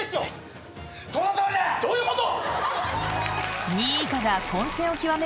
どういうこと。